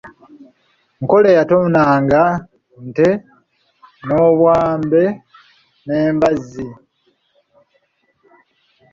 Nkole yatonanga nte n'obwambe n'embazzi.